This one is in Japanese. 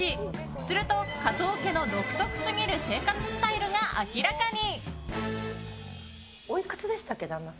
すると、加藤家の独特すぎる生活スタイルが明らかに。